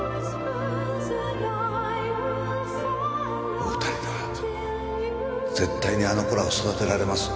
・お二人なら絶対にあの子らを育てられます